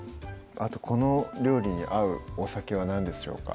あとこの料理に合うお酒は何でしょうか？